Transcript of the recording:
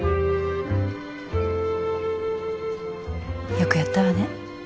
よくやったわね。